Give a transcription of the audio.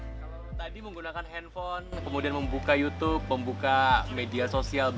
kalau tadi menggunakan handphone kemudian membuka youtube membuka media sosial